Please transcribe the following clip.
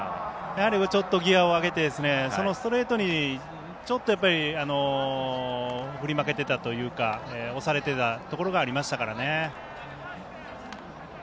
ギヤを上げてそのストレートに振り負けていたというか押されてたところがありましたからね。